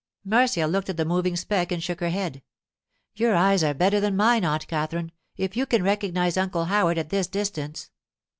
Marcia looked at the moving speck and shook her head. 'Your eyes are better than mine, Aunt Katherine, if you can recognize Uncle Howard at this distance.